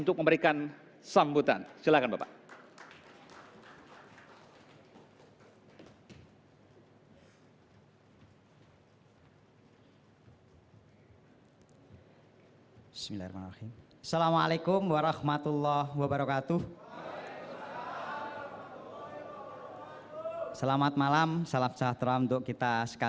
kebangsaan indonesia raya